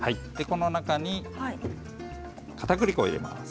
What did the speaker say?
この中にかたくり粉を入れます。